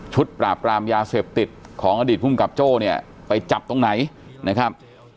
ปราบกรามยาเสพติดของอดีตภูมิกับโจ้เนี่ยไปจับตรงไหนนะครับ